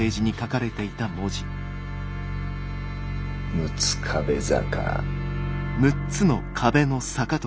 「六壁坂」。